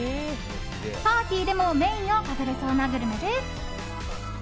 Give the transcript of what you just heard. パーティーでもメインを飾れそうなグルメです。